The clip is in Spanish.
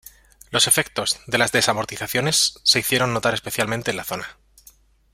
Los efectos de las desamortizaciones se hicieron notar especialmente en la zona.